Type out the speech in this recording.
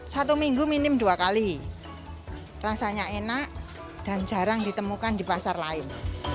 satu minggu minim dua kali rasanya enak dan jarang ditemukan di pasar lain